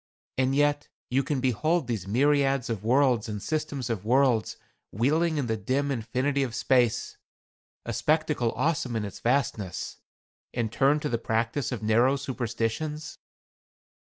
And yet you can behold these myriads of worlds and systems of worlds wheeling in the dim infinity of space a spectacle awful in its vastness and turn to the practice of narrow superstitions?"